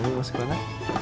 seneng masuk ke mana